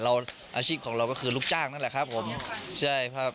อาชีพของเราก็คือลูกจ้างนั่นแหละครับผมใช่ครับ